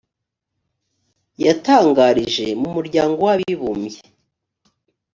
yatangarije mumuryango w abibumbye